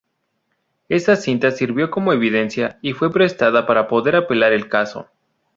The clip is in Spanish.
Esa cinta, sirvió como evidencia y fue presentada para poder apelar el caso.